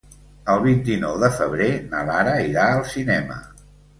El vint-i-nou de febrer na Lara irà al cinema.